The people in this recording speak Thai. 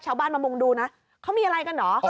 ชาวบ้านมามุงดูนะเขามีอะไรกันเหรอ